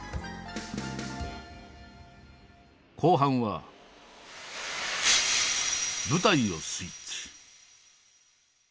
後半は舞台をスイッチ。